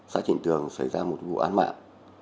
xã trịnh tường xảy ra một vụ án mạng